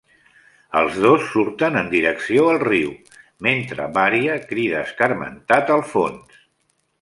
Els dos surten en direcció al riu, mentre Varya crida escarmentat al fons.